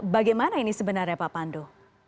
bagaimana ini sebenarnya pak pandu